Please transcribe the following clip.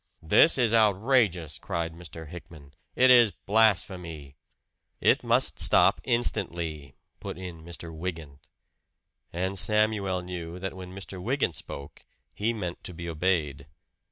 "This is outrageous!" cried Mr. Hickman. "It is blasphemy!" "It must stop instantly," put in Mr. Wygant. And Samuel knew that when Mr. Wygant spoke, he meant to be obeyed.